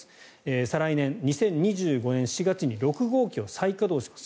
再来年、２０２５年４月に６号機を再稼働します。